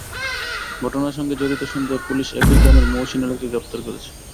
ঘটনার সঙ্গে জড়িত সন্দেহে পুলিশ একই গ্রামের মহসীন আলীকে গ্রেপ্তার করেছে।